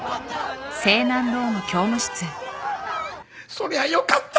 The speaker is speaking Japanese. そりゃよかった！